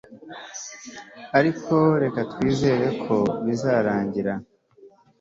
ariko reka twizere ko bizarangira